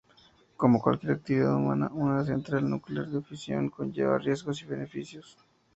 Como cualquier actividad humana, una central nuclear de fisión conlleva riesgos y beneficios.